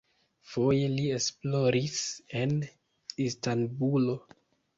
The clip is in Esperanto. Foje li esploris en Istanbulo.